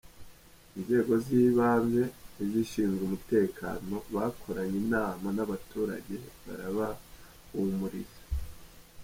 Inzego z’ibanze n’izishinzwe umutekano bakoranye inama n’abaturage barabahumuriza.